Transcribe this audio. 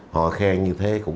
họ khen như thế